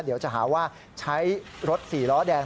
เดี๋ยวจะหาว่าใช้รถ๔ล้อแดง